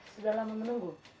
sudah lama menunggu